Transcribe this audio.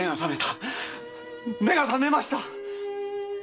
目が覚めました！